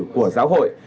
của giáo hội